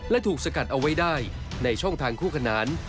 และถูกสกัดเอาไว้ได้ในช่องทางคู่ขนาน